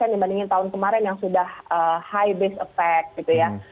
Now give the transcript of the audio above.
dibandingin tahun kemarin yang sudah high based effect gitu ya